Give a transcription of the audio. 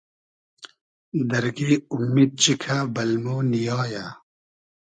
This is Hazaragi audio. دئرگݷ اومید چیکۂ بئل مۉ نییایۂ